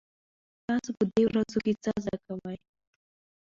تاسو په دې ورځو کې څه زده کوئ؟